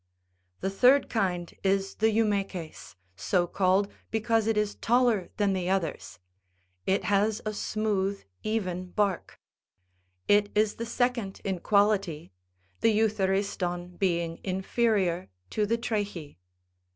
The third kind is the eumeces, so called, because it is taller than the others ; it has a smooth, even, bark. It is the second in quality, the euthe riston being inferior to the trachy.